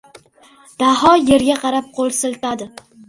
Daho yerga qarab qo‘l siltadi.